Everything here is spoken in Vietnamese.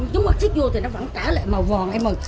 chúng mặt xích vô thì nó vẫn trả lại màu vòn em ơi